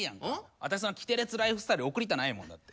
あたしそんなキテレツライフスタイル送りたないもんだって。